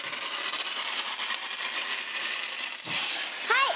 はい！